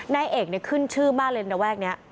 ในเอกขึ้นชื่อมาร์เลนด์ระแวกนี้